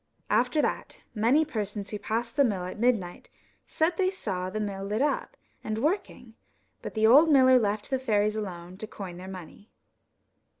After that, many persons who passed the mill at midnight said they saw the mill lit up and working ; but the old miller left the fairies alone to coin their money.